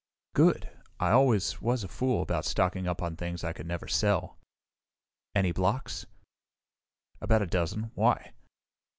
"Good. I always was a fool about stocking up on things I could never sell." "Any blocks?" "About a dozen, why?"